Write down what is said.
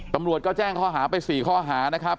ตำรวจก็แจ้งข้อหาไป๔ข้อหานะครับ